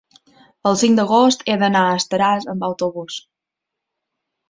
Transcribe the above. el cinc d'agost he d'anar a Estaràs amb autobús.